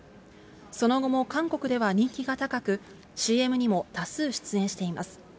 その後も韓国では人気が高く、ＣＭにも多数出演しています。